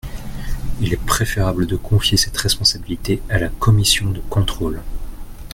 Il est préférable de confier cette responsabilité à la commission de contrôle.